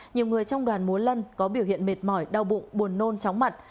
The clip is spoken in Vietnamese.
nhiều người trong đoàn múa lân có biểu hiện mệt mỏi đau bụng buồn nôn chóng mặt